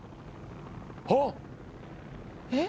あっ！